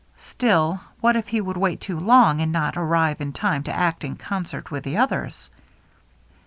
Still, what if he should wait too long, and not arrive in time to act in concert with the others